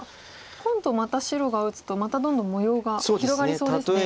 今度また白が打つとまたどんどん模様が広がりそうですね。